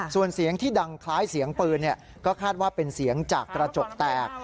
ส่วนเสียงที่ดังคล้ายเสียงปืนก็คาดว่าเป็นเสียงจากกระจกแตก